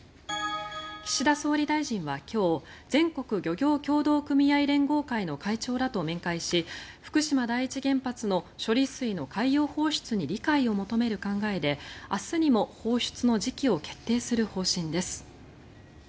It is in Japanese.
岸田総理大臣は今日全国漁業協同組合連合会の会長らと面会し福島第一原発の処理水の海洋放出に理解を求める考えで明日にも放出の時期を決定する方針です。